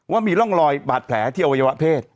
ว่ามีร่องรอยบาดแผลที่อวัยวะเพศ